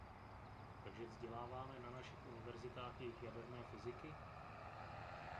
Takže vzděláváme na našich univerzitách jejich jaderné fyziky?